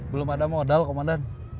belum ada modal komandan